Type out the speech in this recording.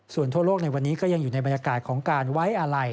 ส่วนทั่วโลกในวันนี้ก็ยังอยู่ในบรรยากาศของการไว้อาลัย